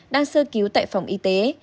đang sơ cứu tại phòng y tế